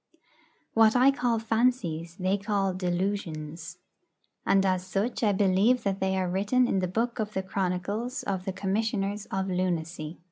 What I call fancies they call 'delusions.' And as such I believe that they are written in the Book of the Chronicles of the Commissioners of Lunacy.